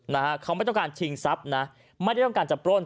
นะฮะเขาไม่ต้องการชิงทรัพย์นะไม่ได้ต้องการจะปล้น